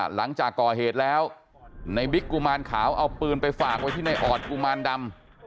หลังจากก่อเหตุแล้วในบิ๊กกุมารขาวเอาปืนไปฝากไว้ที่ในออดกุมารดำ